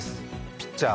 ピッチャー